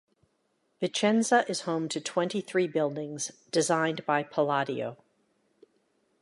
Vicenza is home to twenty-three buildings designed by Palladio.